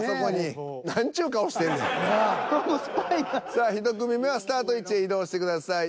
さあ１組目はスタート位置へ移動してください。